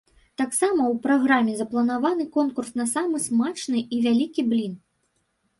Таксама ў праграме запланаваны конкурс на самы смачны і вялікі блін.